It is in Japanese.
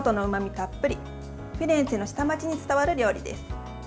たっぷりフィレンツェの下町に伝わる料理です。